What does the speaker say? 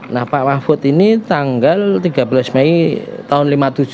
nah pak mahfud ini tanggal tiga belas mei tahun seribu sembilan ratus lima puluh tujuh